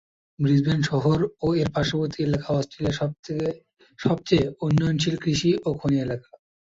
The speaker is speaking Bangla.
ব্রিসবেন শহর ও এর পার্শ্ববর্তী এলাকা অস্ট্রেলিয়ার সবচেয়ে উৎপাদনশীল কৃষি ও খনি এলাকা।